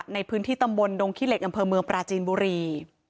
ในพื้นที่ตำบลดงขี้เหล็กอำเภอเมืองปราจีนบุรี